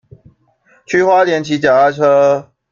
去花蓮騎腳踏車